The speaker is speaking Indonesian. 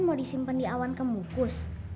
mau disimpan di awan kemukus